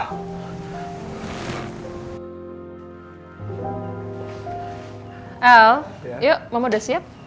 al yuk momo udah siap